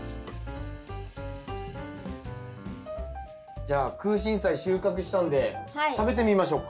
じゃあクウシンサイ収穫したんで食べてみましょうか。